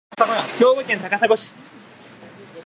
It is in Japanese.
兵庫県高砂市